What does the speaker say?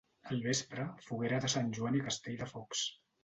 Al vespre, foguera de Sant Joan i castell de focs.